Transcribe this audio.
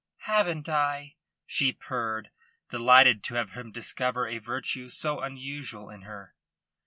"Haven't I?" she purred, delighted to have him discover a virtue so unusual in her.